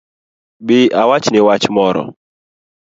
Bi awachni wach moro